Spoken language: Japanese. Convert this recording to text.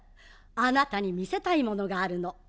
あなたに見せたいものがあるの。